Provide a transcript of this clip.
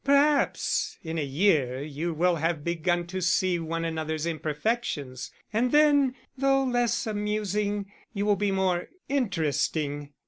Perhaps in a year you will have begun to see one another's imperfections and then, though less amusing, you will be more interesting.